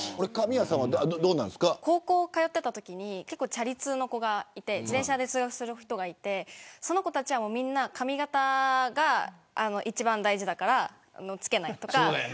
高校通っていたときにチャリ通の人が結構いてその子たちはみんな髪型が一番大事だから着けないとか。